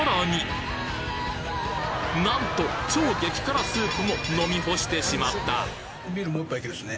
なんと超激辛スープも飲み干してしまった！